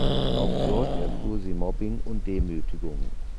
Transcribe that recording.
Auch dort erfuhr sie Mobbing und Demütigungen.